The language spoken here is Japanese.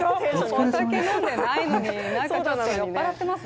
お酒飲んでないのに、ちょっと酔っ払ってます？